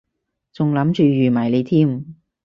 仲諗住預埋你添